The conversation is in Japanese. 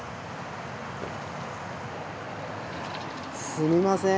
すみません。